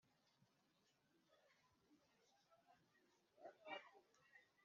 n ingengabitekerezo yayo kurwanya abapfobya n abahakana Jenoside yakorewe Abatutsi